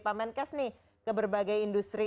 pak menkes nih ke berbagai industri